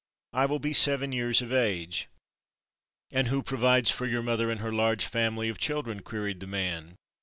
"I will be seven years of age." "And who provides for your mother and her large family of children?" queried the man.